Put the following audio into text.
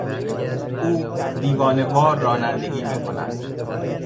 او دیوانهوار رانندگی میکند.